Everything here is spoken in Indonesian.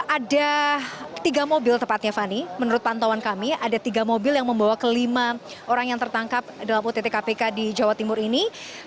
ada tiga mobil tepatnya fani menurut pantauan kami ada tiga mobil yang membawa kelima orang yang tertangkap dalam ott kpk di jawa timur ini